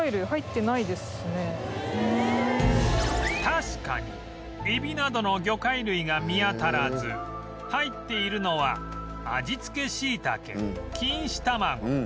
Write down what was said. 確かにエビなどの魚介類が見当たらず入っているのは味付け椎茸錦糸卵グリーンピース